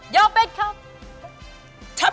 ยอมเป็นครับ